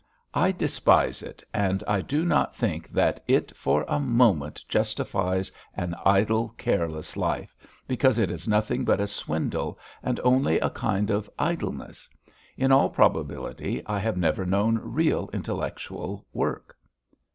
I despise it and I do not think that it for a moment justifies an idle, careless life, because it is nothing but a swindle, and only a kind of idleness. In all probability I have never known real intellectual work.